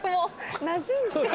なじんでる。